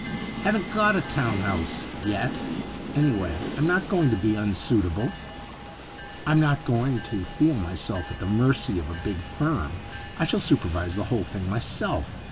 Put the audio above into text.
' Haven't got a town house — yet. Anyway I'm not going to be unsuit able ; I'm not going to feel myself at the mercy of a big firm. I shall supervise the whole thing myself.